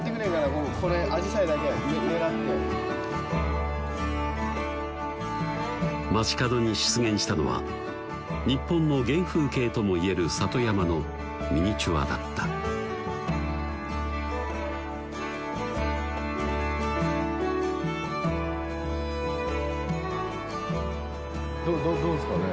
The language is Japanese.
こここれアジサイだけ狙って街角に出現したのは日本の原風景ともいえる里山のミニチュアだったどどどうすかね？